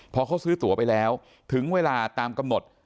พอเขาซื้อตัวไปแล้วถึงเวลาตามกำหนด